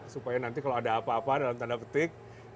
supaya nanti kalau ada apa apa dalam tanda petik